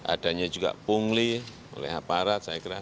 adanya juga pungli oleh aparat saya kira